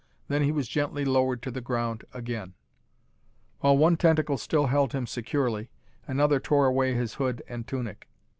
Then he was gently lowered to the ground again. While one tentacle still held him securely, another tore away his hood and tunic.